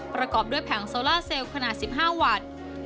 ประกอบด้วยแผงโซล่าเซลล์ขนาด๑๕วัตต์